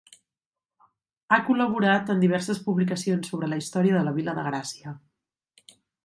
Ha col·laborat en diverses publicacions sobre la història de la vila de Gràcia.